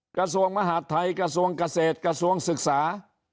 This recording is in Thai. กระทรวงมหาดไทยกระทรวงเกษตรกระทรวงศึกษา